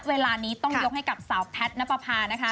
เวลานี้ต้องยกให้กับสาวแพทย์นับประพานะคะ